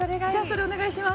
それお願いします